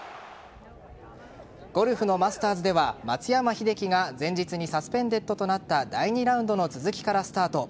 ゴルフのマスターズでは松山英樹が前日にサスペンデッドとなった第２ラウンドの続きからスタート。